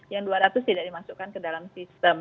yang dua ratus tidak dimasukkan ke dalam sistem